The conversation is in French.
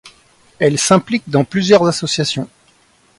Elle s'implique dans plusieurs associations.